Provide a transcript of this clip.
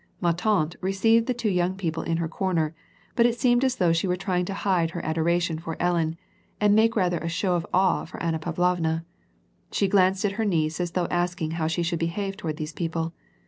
Ma tante received the two young people in her comer, but it seemed as though she were trying to hide her adoration for Ellen, and make rather a show of awe for Anna Pavlovna. She glanced at her niece as though asking how she should behave toward these people.